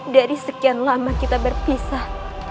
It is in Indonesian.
dari sekian lama kita berpisah